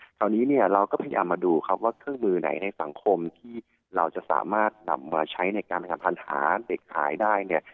คราวนี้เนี่ยเราก็พยายามมาดูครับว่าเครื่องมือไหนในสังคมที่เราจะสามารถนำมาใช้ในการประจำพันหาเด็กหายได้เนี่ย